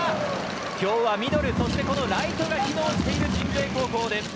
今日はミドル、そしてライトが機能している鎮西高校です。